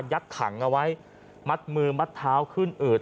ยัดถังเอาไว้มัดมือมัดเท้าคลื่นอืด